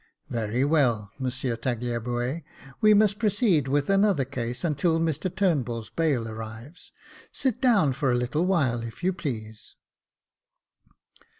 "Very well. Monsieur Tagliabue; we must proceed with another case until Mr Turnbull's bail arrives. Sit down for a little while, if you please."